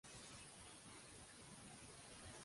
Ha viscut i treballat a Madrid i Barcelona.